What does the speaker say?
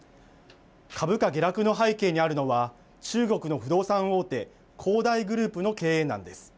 株価下落の背景にあるのは中国の不動産大手、恒大グループの経営難です。